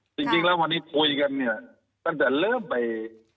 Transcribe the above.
จริงวันนี้พูดกันตั้งแต่เริ่มไป